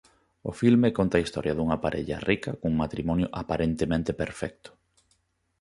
O filme conta a historia dunha parella rica cun matrimonio aparentemente perfecto.